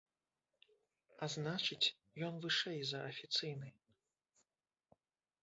А значыць, ён вышэй за афіцыйны.